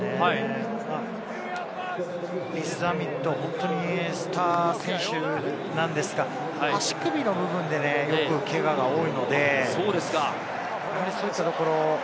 リース＝ザミット、本当にスター選手なんですが、足首の部分でね、よくけがが多いので、やはりそういったところ。